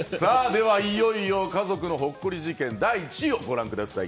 では、家族のほっこり事件第１位をご覧ください。